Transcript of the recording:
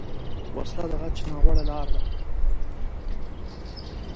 وسله د غچ ناوړه لاره ده